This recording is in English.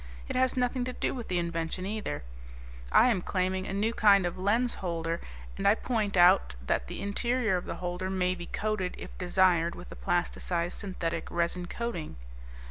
It has nothing to do with the invention, either. I am claiming a new kind of lens holder, and I point out that the interior of the holder may be coated if desired with a plasticized synthetic resin coating.